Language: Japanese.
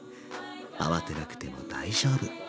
慌てなくても大丈夫。